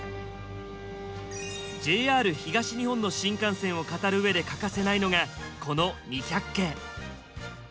ＪＲ東日本の新幹線を語るうえで欠かせないのがこの２００系。